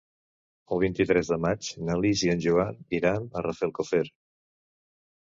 El vint-i-tres de maig na Lis i en Joan iran a Rafelcofer.